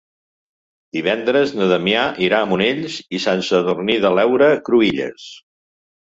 Divendres na Damià irà a Monells i Sant Sadurní de l'Heura Cruïlles.